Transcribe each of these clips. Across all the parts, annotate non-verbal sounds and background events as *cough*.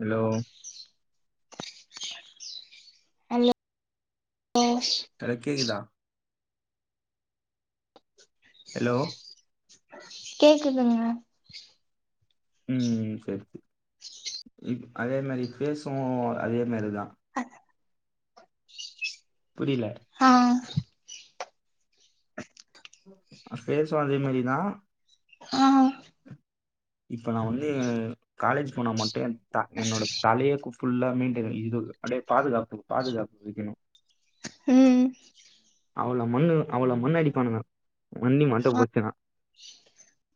hello *unintelligible* தல கேக்தா hello கேக்குதுங்க ம் செரி அதே மாரி ஃபேஸ்ஸு அதே மாரிதா அது புரியில ஆ *inaudible* ஃபேஸ்ஸு அதே மாரிதா ஆ இப்ப நா வந்து காலேஜ் போனா மட்டு ஏ த என்னோட தலையே ஃபுல்லா மெயின்டைன் இது அ பாதுகாப்பு பாதுகாப்பு வக்கணு ம் அவ்ளோ மண்ணு அவள மண்ணு அடிப்பானுங்க மண்ணி மண்ட ஆ போச்சுனா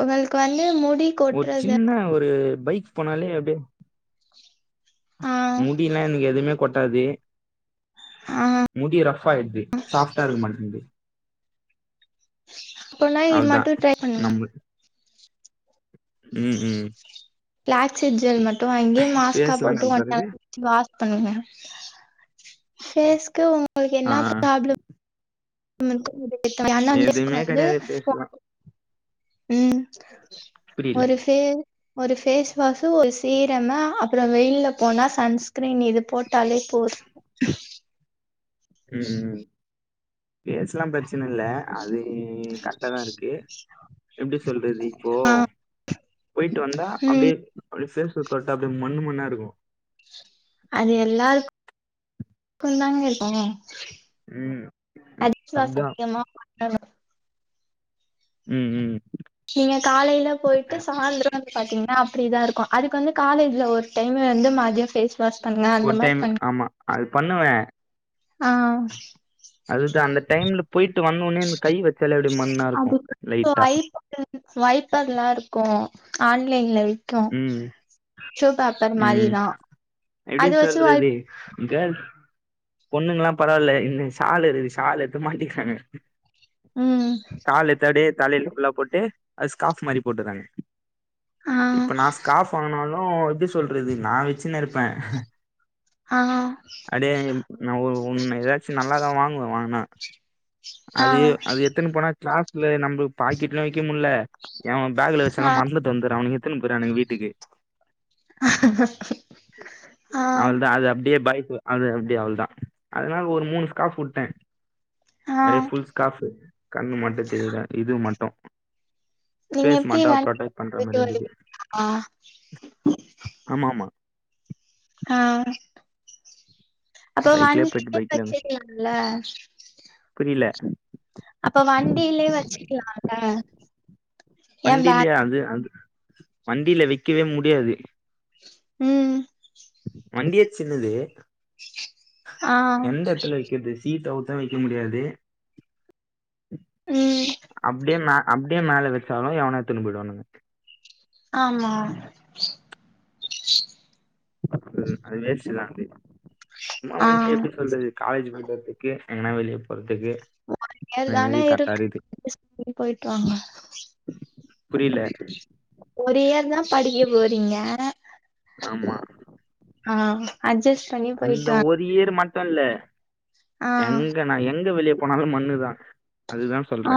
உங்களுக்கு வந்து முடி ஒரு கொட்றது சின்ன ஒரு பைக் போனாலே அப்டியே ஆ ஆ முடில்லா எனக்கு எதுவுமே கொட்டாது முடி ரஃப் ஆயிடுது சாஃப்டா இருக்க மாட்டேங்து அப்பனா இது அதா மட்டு ட்ரை பண்ணுங்க நம்ம ம் ம் கிளாஸிக் ஜெல் மட்டு வாங்கி மாஸ்கா ஃபேஸ்லா போட்டு கரெக்டா இருக்கு ஒன்ஆர் வாஷ் பண்ணுங்க ஃபேஸ்க்கு உங்களுக்கு என்ன ஆ ஆ பிராப்ளம் *inaudible* எதுவுமே வந்து கிடையாது பேசலாம் *inaudible* ம் புரியல ஒரு ஃபே ஒரு ஃபேஸ் வாஷு ஒரு சீரமு அப்புறோ வெயில்ல போனா சன்ஸ்கிரீன் இது போட் டாலே போது ம் பேஸ்லா பிரச்சன இல்ல அது கரெக்டா தா இருக்கு எப்புடி சொல்றது இப்போ ஆ போயிட்டு வந்தா அப்டியே அப்புடி பேஸ்ஸ தொட்டா அப்டியே மண்ணு மண்ணா இருக்கு அது எல்லாருக் குந்தாங்க இருக்கு ம் அதுதான் *inaudible* ம் ம் நீங்க காலையில போயிட்டு சாய்ந்தரோ வந்து பாத்தீங்கனா அப்டிதா இருக்கு அதுக்கு வந்து காலேஜ்ல ஒரு டைமு வந்து மதியோ ஃபேஸ் வாஷ் பண்ணுங்க அந்த ஒரு மாதிரி டைம் பண்ணுங்க ஆமா அது பண்ணுவே ஆ அதுதா அந்த டைம்ல போயிட்டு வந்தோனே இந்த கை வச்சாலே அது மண்ணா இருக்கு லைட்டா வைப்பர்லா இருக்கு ஆன்லைன்ல விக் க்கு ம் டிஷுபேப்பர் ம் மாரிதா அது வச்சு கேர்ள் பொண்ணுங்கல்லா பரவால்ல இன்து ஷாலு இருக்குது எடுத்து மாட்டிக்கிறாங்க ம் ஷால் எடுத்துஅப்டியே தலையில ஃபுல்லா போட்டு அது ஸ்காஃப் மாரி போட்டுறாங்க ஆ இப்ப நா ஸ்காஃப் வாங்னாலு எப்டி சொல்றது நா வச்சுனு இருப்பே ஆ ப்டியே நா ஒ ஒன்னு எதாச்சு நல்ல தா வாங்குவே வாங்குனா ஆ அது அது எத்துனு போனா க்ளாஸ்ல நம்ளு பாக்கெட்லயு வெக்க முல்ல எவே பேக்ல ஆ வச்சாலு மறந்துட்டு வந்துற அவனுக எத்துன்னு போயிறானுங்க வீட்டுக்கு அ அ அவள்தா அது அப்டியே பயப் அது அப்டியே அவள்தா அதனால ஒரு மூணு ஸ்காஃப் விட்டே ஆ அப்டியே ஃபுல் ஸ்காஃப் கண்ணு மட்டு தெரில அப்டியே இது மட்டு நீங்க பேஸ் எப்படி மட்டு வண்டி ப்ரொடெக்ட் பண்ற போயிட்டு மாரி இருந்தது வருவீங்களா ஆ ஆமா ஆமா ஆ அப்ப பைக்லயே போயிட்டு வண்டியிலே பைக்ல வெச்சுக்கிலால புரியல அப்ப வண்டியிலே வெச்சுக்கிலால வண்டிலேயா அது அது வண்டியில வெக்கவே முடியாது ம் வண்டியே சின்னது ஆ எந்த எத்துல வெக்கறது கீத்தவுத்து வெக்க முடியாது ம் அப்டியே மெ அப்டியே மேல வெச்சாலு எவனா எத்துனு பொய்டுவானுங்க ஆமா ஆமா அது வேஸ்ட் தா சும்மா ஆ வண்டி எடுத்து ப்ரெண்ட்ஸ் காலேஜ்க்கு போறதுக்கு எங்கனா வெளிய போறதுக்கு அந்த எல்லாமே மாரி கரெக்டா இருக்கு இருக்குது *inaudible* பொய்ட்டு வாங்க புரில ஒரு இயர் தா படிக்க போறீங்க ஆமா ஆ அஜ்ஜஸ் இந்த ஒரு இயர் மட்டு இல்ல ஆ எங்க நா எங்க வெளிய போனாலு மண்ணுதா அதுதா சொல்ற ஆ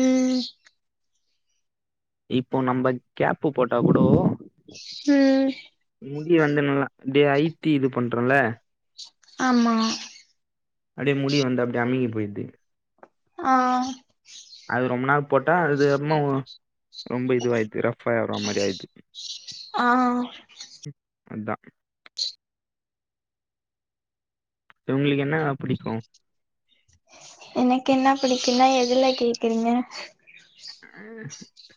ம் இப்போ நம்ப கேப்பு போட்டா கூடோ ம் முடி வந்ததுன்னா இப்டியே அய்த்தி இது பண்றோல ஆமா அப்டியே முடி வந்து அப்டியே அமுங்கி போய்டுது அ ஆ அது ரொம்ப நாள் போட்டா அது அப்மா ரொம்ப இதுவாயிது ரஃப்பா ஆவ்ற மாரி ஆயிட்து ஆ உ அதா உங்களுக்கு என்ன புடிக்கு எனக்கென்ன பிடிக்குனா எதுல கேக்குறிங்க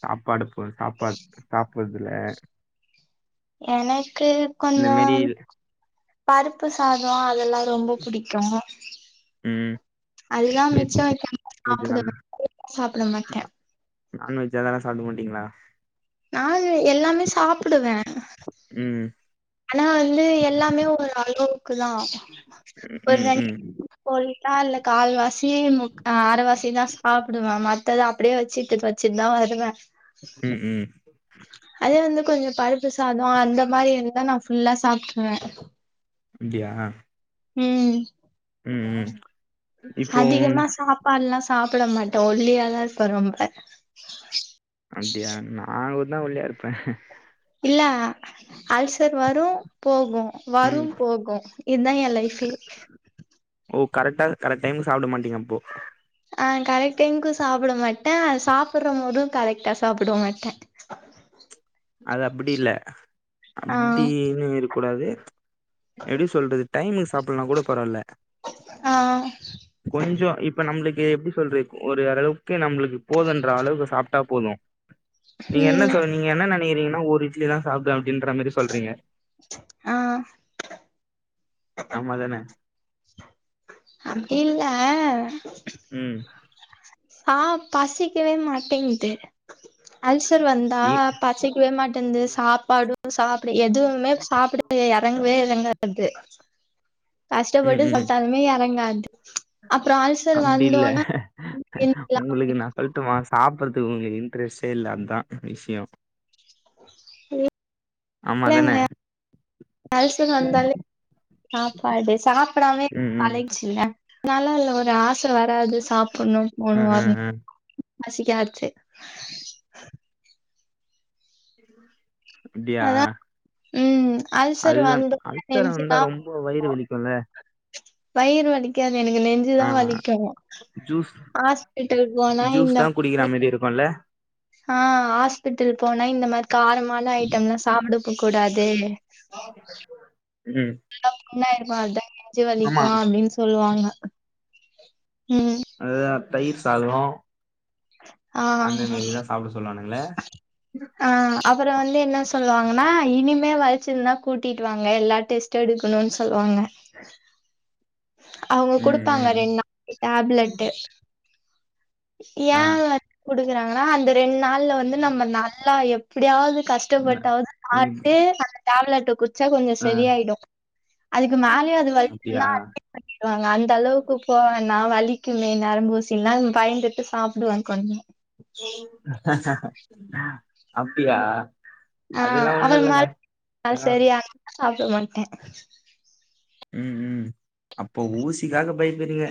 சாப்பாடு போ சாப்பாடு சாப்பறதுல எனக்கு இந்த கொஞ்சொ மாரி பருப்பு சாதொ அதெல்லா ரொம்ப புடிக்கோ ம் அதெல்லா வெஜ் மிச்சொ வெக்காம வெஜ்ஜா சாப்பிடு *inaudible* சாப்பிட மாட்ட நான்வெஜ் அதெல்லா சாப்ட மாட்டீங்களா நான் *unintelligible* எல்லாமே சாப்டுவ ம் ஆனா வந்து எல்லாமே ஒரு அளவுக்கு தா ஒரு ம் ரெண் ம் பொயிட்டா இல்ல கால்வாசி முக் அரைவாசி தா சாப்புடுவே ம எல்ல அப்டியே வச்சிட் வச்சிட் தா வருதுங்க ம் ம் அதே வந்து கொஞ்சோ பருப்பு சாதம அந்த மாரி எல்லா நா ஃபுல்லா சாப்பிட்டுருவே அப்படியா ம் ம் ம் இப்போ அதிகமா சாப்பாடுல்லா சாப்பிட மாட்டே ஒல்லியாதா இருப்பே ரொம்ப அப்டியா நானு கூட தா ஒல்லியா இருப்பே இல்ல அல்சர் வரு போகு வரு ம் போகு இத என் லைஃபே ஓ கரெக்டா கரெட் டைம்க்கு சாப்பட மாட்டிங்கப்போ ஆ கரெக்ட் டைம்க்கு சாப்பட மாட்டே அது சாப்பற போது கரெக்டாக சாப்பிட மாட்டே அது அப்டி இல்ல ஆ அப்டினு இருக்க கூடாது எப்டி சொல்றது டைமுக்கு சாப்படலனா கூட பரவாயல ஆ கொஞ்சோ இப்ப நம்மளுக்கு எப்டி சொல்றது ஒரு ஓ அரளவுக்கு நம்மளுக்கு போதுன்ற அளவுக்கு சாப்பிட்டா போது நீங்க என்ன ம் சொன்னிங்க என்ன நினைக்கிறீங்கன்னா ஒரு இட்லிதா சாப்பிடுவே அப்டின்ற மாரி சொல்றீங்க ஆ ஆமா தானே அப்டில்ல ம் ஆ பசிக்கவே மாட்டேங்குது அல்சர் வந்தா இ பசிக்கவே மாட்டேங்குது சாப்பாடு சாப்படு எதுவுமே சாப்பிட இறங்கவே இறங்காது ம் கஷ்டப்பட்டு ம் சாப்பிட்டாலுமே இறங்காது அப்புற அல்ச் அப்டி இல்ல உங்களுக்கு நா இல்லங்க சொல்லட்டுமா சாப்படடுறதுக்கு உங்களுக்கு இன்ட்ரெஸ்ட்டே இல்ல அதுதா விஷயம் ஆமா தானே அல்சர் வந்தாலே சாப்பாடு சாப்பிடாமே ம் ம் பழகிருச்சுங்க நல்லா இல்ல ஒரு ஆசை வராது சாப்படணு அ போணு அ வரணு அ பசிக்காச்சு அப்டியா அதா ம் அல்சர் அதுதா வந்தோன அல்சர் நெஞ்சுதா வந்தா ரொம்ப இப்ப வயிறு வலிக்கும்ல வயிறு வலிக்காது எனக்கு நெஞ்ச நெஞ்சு ஆ தா வலிக்கு ஜூஸ் ஹாஸ்பிட்டல போனா இந்த *unintelligible* இருக்கும்ல ஆ ஹாஸ்பிட்டல் போனா இந்த மாரி காரமான ஐட்ட எல்லா சாப்படகூடாது ம் நல்லா பொண்ணாயிருகு நெஞ்சு வலிக்கு ஆமா அப்டின்னு சொல்லுவாங்க ம் அதா தயிர் சாதோ ஆ அண்ணுங்க தா சாப்பிட சொன்னானுங்க ஆ அப்பற வந்து என்ன சொல்லுவாங்கன்னா கரெக்ட்டு இனிம இப்பேயு ஆல்சர் இருந்த கூட்டிட்டு வாங்க எல்லா டெஸ்ட் எடுக்கணும்னு சொல்லுவாங்க அவுங்க ம் குடுப்பாங்க ம் ரெண் நா டேப்லெட்டு ஏ ஆ வந்து குடுக்றாங்கனா அந்த ரெண் நாள்ல வந்து நம்ம நல்லா எப்டியாவது கஷ்ட என்ன கஷ்டப்பட்டாவ்து சாப்ட்டு அந்த டேப்லெட்ட குடிச்சா கொஞ்சோ ஆ சரியாயிடு அதுக்கு மேலயு அது அப்டியா வலிச்சுதுனா அ வாங்க அந்த அளவுக்கு போன்னா வலிக்குமே நரம்பூசில்லான் பயந்துட்டு சாப்டுவாங்க *unintelligible* அப்டியா ஆ அதெல்லா ஒண்ணு அவர் ம இல்லங்க *unintelligible* அதெல்லா சரியானோ சாப்ட மாட்டே உம் உம் அப்போ ஊசிக்காக பயப்புடுறீங்க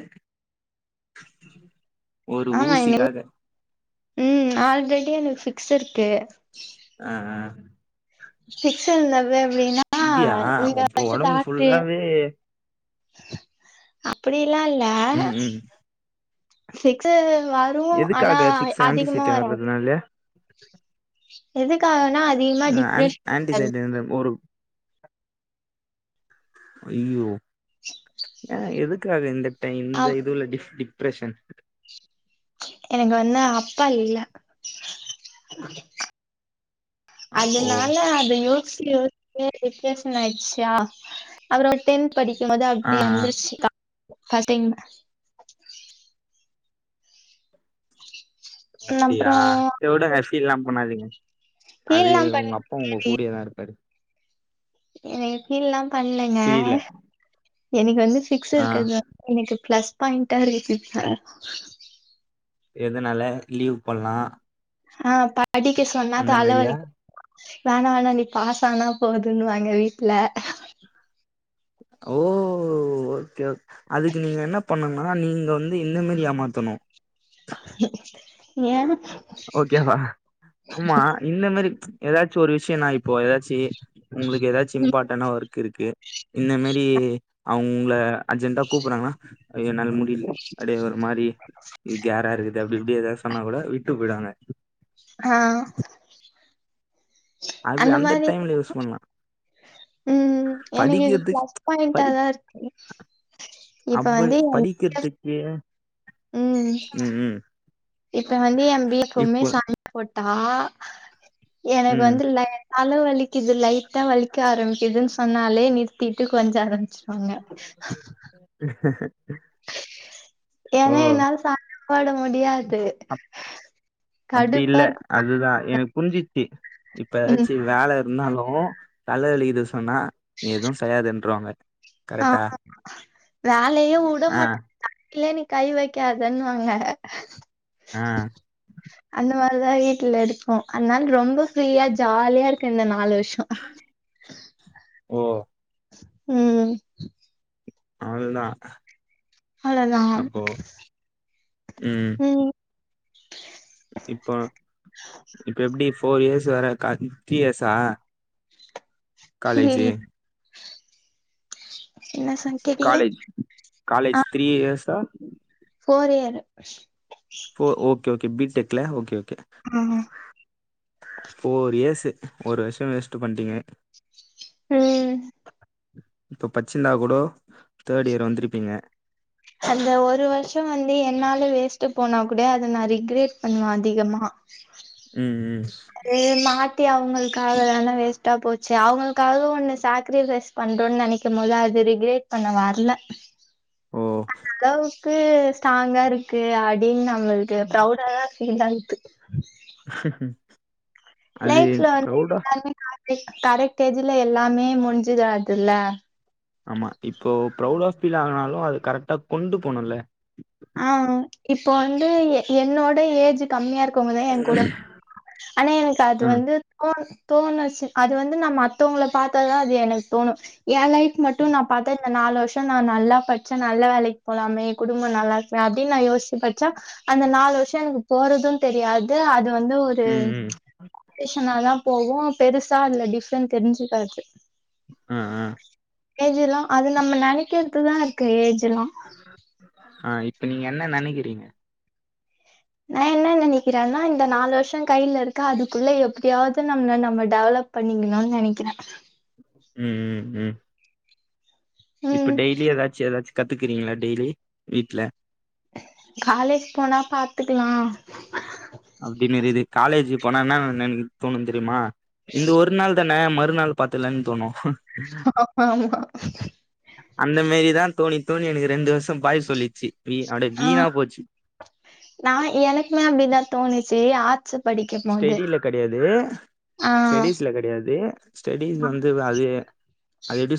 ஆமா இ *inaudible* ம் ஆல்ரெடி எனக்கு பிக்ஸ் இருக்கு ஆ ஆ ஃபிக்ஸ் இருந்தது அப்டின்னா அப்டியா‌ இங்க அப்போ வந்து உடம்பு ஃபுல்லாவே அப்டில்லா இல்ல ம் ம் பிக்ஸூ வா எதுக்காக பிக்ஸ் ஆன்டிசைட்டா வர்றதுனால்யா எதுக்காகனா அதிகமா ஆ டிப்ரெஷன் ஆன்டிசைடு *unintelligible* ஐய்யோ ஆ எதுக்காக இந்த டை ஆ இந்த இதுல டி டிப்ரெஷன் எனக்கு வந்து அப்பா இல்ல அப்போ அதனால அது யோ ச்சு யோச்சே டிப்ரசன் ஆயிச்சா அப்றோ டென்த் படிக்கும் போது ஆ அப்டே ஆ வந்துருச்சு *unintelligible* அப்றோ அப்டியா சரி வுடுங்க ஃபீல்லா பண்ணாதீங் அது ஃபீல்லா உங்க பண்ணலடி அப்பா உங்க கூடியதா இருப்பாரு எனக் ஃபீல்லா பண்லங்க புரியல எனக்கு வந்து பிக்ஸ் ஆ இருக்கது வந்து எனக் பிளஸ் பாயிண்டா இருக்குதுங்க எதுனால லீவ் பண்லா ஆ படிக்க சொன்னா மாரியா தலவலிக் வேணா வேணா நீ பாஸ் ஆனா போதுன்னுவாங்க வீட்ல ஓ ஓகே ஓக் அதுக்கு நீங்க என்ன பண்ணனுங் னா நீங்க வந்து இந்தமாரி ஏமாத்தணு ஏ ஓகேவா ஆமா இந்த மாரி ஏதாச்சு ஒரு விஷயனா இப்போ ஏதாச்சி உங்ளுக்கு ஏதாச்சு இம்பாட்டனா ஒர்க் இருக்கு இந்த மாரி அவுங் உங்ள அர்ஜென்டா கூப்பறாங்னா ஐ யொ என்னால முடியலீங் அப்டியே ஒரு மாறி இதுக்கு க்யேரா இருக்குது அப்டி இப்டி ஏதாவது சொன்னா கூட விட்டு போயிருவாங்க ஆ அது அந்த டைம்ல யூஸ் பண்லா ம் எனக்கு இது படிக்கறதுக் பிளஸ் பாயிண்டா படி தா இருக்கு இப்ப அப்வே வந்து படிக்கிறதுக்கு ம் இப்ப வந்து இப்போ *unintelligible* சா போட்டா எனக் ம் வந்து ல தல வலிக்குது லைட்டா வலிக்க ஆரம்பிக்குதுன் சொன்னாலே நிறுத்திட்டு கொஞ்ச ஆரம்மிச்சுருவாங்க *inaudible* *inaudible* ஓ ஏனா என்னால ச பாட முடியாது கடுப்பா இருக் இதுதா எனக் புரிஞ்சி சி இப்ப ம் எதாச்சு வேல இருந்தாலு தல வலிக்குது சொன்னா நீ எதுவு செய்யாதன்றுவாங்க கரெட்டா வேலயே உட மாட்டாங் *inaudible* நீ கை வைக்காதன்னுவாங்க ஆ அந்த மார்தா வீட்ல இருக்கூ அதனால ரொம்ப ஃப்ரீயா ஜாலியா இருக்கே இந்த நாலு வருஷொ ஓ ம் அவ்ளோதா அவ்ளோதா அப்போ ம் இப்போ இப்ப எப்டி ஃபோர் இயர்ஸ் வர கா த்ரீ இயர்ஸ் ஆ புரியில் என்ன சார் கேட்டீங்க காலேஜ் காலேஜ் ஆ த்ரீ இயர்ஸா ஃபோர் இயரு ஃபோ ஓகே ஓகே பி டெக் ல ஓகே ஓகே ம் ம் ஃபோர் இயர்ஸு ஒரு வருஷொ வேஸ்ட்டு பண்ட்டீங்க ம் இப்போ பச்சிருந்தா கூடோ தேட் இயர் வந்துருப்பீங்க அந்த ஒரு வருஷொ வந்து என்னால வேஸ்ட்டு போனா கூட அத நா ரிக்ரெட் பண்ணுவே அதிகமா ம் ம் இது மாத்தி அவுங்களுக்காக தான வேஸ்ட்டா போச்சு அவுங்களுக்காக ஒன்னு சாக்ரிஃபைஸ் பண்றோன்னு நெனைக்கும் போது அது ரிக்ரேட் பண்ண வர்ல ஓ அளவுக்கு ஸ்ட்ராங்கா இருக்கு அடி நம்மள் க்கு ப்ரௌவுடாதா ஃபீல் ஆகுது ஹம் லைஃப்ல வந்து *inaudible* கரெக்ட் ஏஜ்ல எல்லாமே முடிஞ்சிடாதுல்ல ஆமா இப்போ ப்ரவுடா ஃபீல் ஆனாலு அத கரெக்டா கொண்டு போணுல்ல ஆ இப்போ வந்து எ என்னோட ஏஜ் கம்மியா இருக்கோங்கதா என் கூட ஆனா எனக்கு அது ம் வந்து தோண் தோணுச்சு அது வந்து நம்ம மத்தவங்கள பாத்தா தா அது எனக்கு தோணு என் லைஃப் மட்டு நா பாத்தா இந்த நாலு வருஷோ நா நல்லா பட்ச்ச நல்ல வேலைக் போலாமே குடும்ப நல்லாருக் ஆ அப்டின் நா யோஸ்ச்சு படிச்சா அந்த நாலு வருஷொ எனக்கு போறது தெரியாது அது வந்து ஒரு ம் *unintelligible* னாதா போகூ பெருசா இதுல டிஃப்ரெண்ட் தெரிஞ்சுக்காது ஆ ஆ ஏஜ் எல்லா அது நம்ம நெனைக்குறது தா இருக்கு ஏஜ் எல்லா ஆ இப்ப நீங்க என்ன நெனைக்கிறீங்க நா என்ன நெனைக்கிறேன்னா இந்த நாலு வருஷொ கையில இருக்கு அதுக்குள்ள எப்டியாவ்து நம்மள நம்ம டெவலப் பண்ணிக்கலான்னு நெனைக்கிறே ம் ம் ம் இப்ப உம் டெய்லி எதாச்சு எதாச்சு கத்துக்குறீங்களா டெய்லி வீட்ல காலேஜ் போனா பாத்துக்குலா அப்படின்னு இருக்குது காலேஜ் போனா என்னா என்னா தோணு தெரியுமா இந்த ஒரு நாள்தா ன மறுநாள் பாத்துக்குலான் தோணு ஆமா அந்த மாரிதா தோணி தோணி எனக்கு ரெண்டு வருஷோ பாய் சொல்லிச்சி வீ அட ஆ வீணா போச்சு நா எனக்குமே அப்டிதா தோணுச்சு ஆட்ஸு ஸ்டெடில கெடையாது ஆ ஸ்டெடிஸ்ல கெடையாது ஸ்டெடிஸ் வந்து அது அது எப்டி சொல்